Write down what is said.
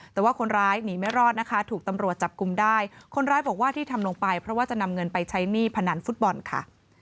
แต่ว่าคนร้ายหนีไม่รอดนะคะถูกตำรวจจับกลุ่มได้คนร้ายบอกว่าที่ทำลงไปเพราะว่าจะนำเงินไปใช้หนี้พนันฟุตบอลค่ะ